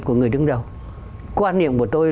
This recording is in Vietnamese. của người đứng đầu quan niệm của tôi